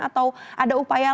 atau ada upaya lagi